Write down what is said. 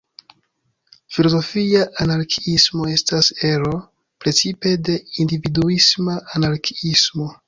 Filozofia anarkiismo "estas ero precipe de individuisma anarkiismo.